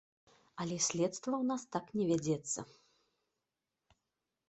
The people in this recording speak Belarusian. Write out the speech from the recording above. Але следства ў нас так не вядзецца.